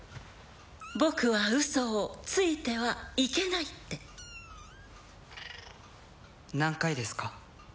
「僕は嘘をついてはいけない」って何回ですか？